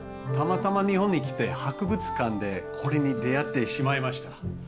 たまたま日本に来て博物館でこれに出会ってしまいました。